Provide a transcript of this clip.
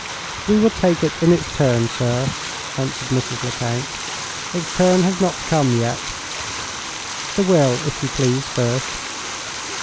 "We will take it in its turn, sir," answered Mrs. Lecount. "Its turn has not come yet. The will, if you please, first.